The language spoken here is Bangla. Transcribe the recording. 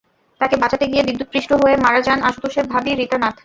তাঁকে বাঁচাতে গিয়ে বিদ্যুৎস্পৃষ্ট হয়ে মারা যান আশুতোষের ভাবি রীতা নাথ।